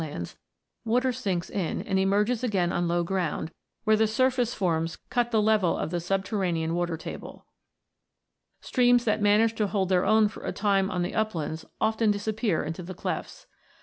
In typical karstlands, water sinks in, and emerges again on low ground, where the surface forms cut the 42 52 ROCKS AND THEIR ORIGINS [CH. level of the subterranean water table. Streams that manage to hold their own for a time on the uplands often disappear into the clefts.